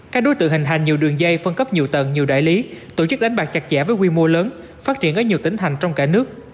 các đối tượng hình thành nhiều đường dây phân cấp nhiều tầng nhiều đại lý tổ chức đánh bạc chặt chẽ với quy mô lớn phát triển ở nhiều tỉnh thành trong cả nước